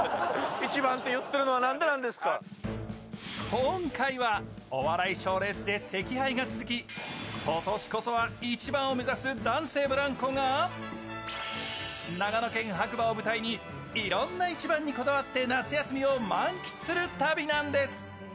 今回はお笑い賞レースで惜敗が続き今年こそは１番を目指す男性ブランコが長野県白馬を舞台にいろんな１番にこだわって夏休みを満喫する旅なんです。